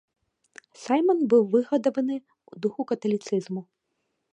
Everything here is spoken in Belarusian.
Сайман быў выгадаваны ў духу каталіцызму.